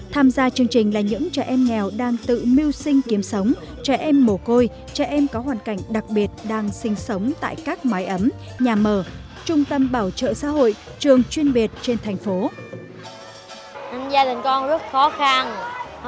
tham gia chương trình là những trẻ em nghèo đang tự mưu sinh kiếm sống trẻ em mồ côi trẻ em có hoàn cảnh đặc biệt đang sinh sống tại các mái ấm nhà mở trung tâm bảo trợ xã hội trường chuyên biệt trên thành phố